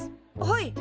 はい。